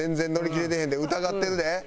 疑ってるで。